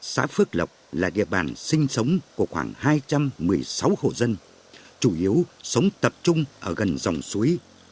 xã phước lộc là địa bàn sinh sống của khoảng hai trăm một mươi sáu hộ dân chủ yếu sống tập trung ở gần dòng suối